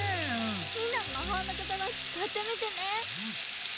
みんなもまほうのことばつかってみてね！